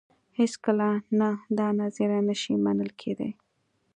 هېڅکله نه دا نظریه نه شي منل کېدای.